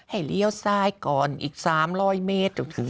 ให้เลี้ยวซ้ายก่อนอีก๓๐๐เมตรถึงนั้น